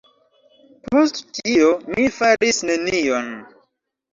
Post tio, mi faris nenion.